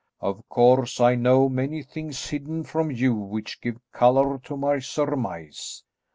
Of course I know many things hidden from you which give colour to my surmise.